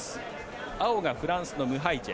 青がフランスのムハイジェ。